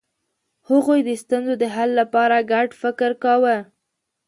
هغوی د ستونزو د حل لپاره ګډ فکر کاوه.